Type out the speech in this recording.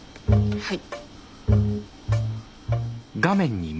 はい。